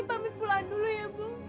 ibu nanti pamit pulang dulu ya bu